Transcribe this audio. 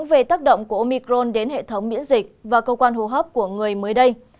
về tác động của omicron đến hệ thống miễn dịch và cơ quan hô hấp của người mới đây